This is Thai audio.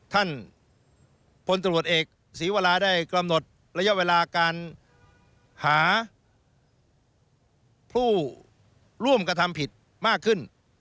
ท่านพลตรวจเอกศรีวราได้กำหนดระยะเวลาการหาผู้ร่วมกระทำผิดมากขึ้น